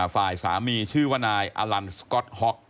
ฝ่ายสามีชื่อว่านายอลันสก๊อตฮ็อก